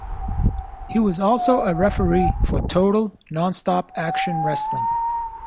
He was also a referee for Total Nonstop Action Wrestling.